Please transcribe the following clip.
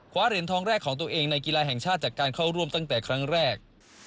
เหรียญทองแรกของตัวเองในกีฬาแห่งชาติจากการเข้าร่วมตั้งแต่ครั้งแรก